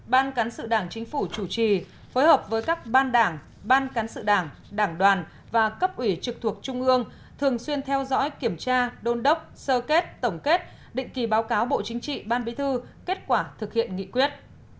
tăng cường sự giám sát của quốc hội ủy ban thường vụ quốc hội ủy ban cán sự đảng đảng đoàn đảng ủy trực thuộc trung ương xây dựng kế hoạch với chức năng nhiệm vụ để thực hiện nghị quyết